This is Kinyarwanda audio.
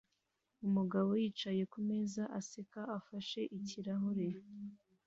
Umugabo yicaye kumeza aseka afashe ikirahure